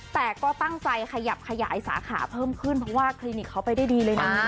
แต่ก็ตั้งใจขยับขยายสาขาเพิ่มขึ้นเพราะว่าคลินิกเขาไปได้ดีเลยนะ